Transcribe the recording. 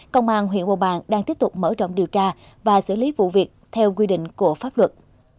công an huyện hòa bàn đang tiếp tục mở rộng điều tra và xử lý vụ việc theo quy định của pháp luật